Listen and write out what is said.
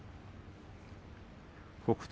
北勝